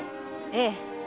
ええ。